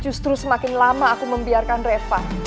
justru semakin lama aku membiarkan reva